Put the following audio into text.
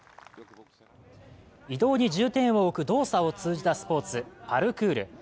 移動に重点を置く動作を通じたスポーツ、パルクール。